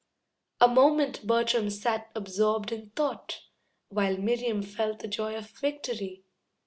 A moment Bertram sat absorbed in thought, While Miriam felt the joy of victory.